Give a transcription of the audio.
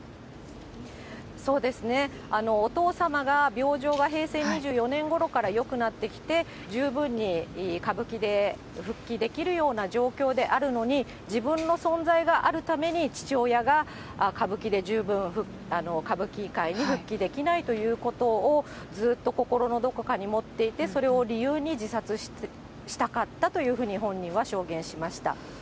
そうですね、お父様が病状が平成２４年ごろからよくなってきて、十分に歌舞伎で復帰できるような状況であるのに、自分の存在があるために、父親が歌舞伎で十分、歌舞伎界に復帰できないということをずーっと心のどこかに持っていて、それを理由に自殺したかったというふうに本人は証言しました。